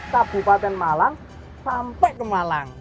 kabupaten malang sampai ke malang